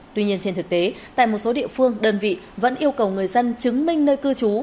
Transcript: tuy nhiên trên thực tế tại một số địa phương đơn vị vẫn yêu cầu người dân chứng minh nơi cư trú